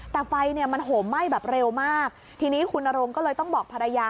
แต่ไฟเนี่ยมันโหมไหม้แบบเร็วมากทีนี้คุณนรงก็เลยต้องบอกภรรยา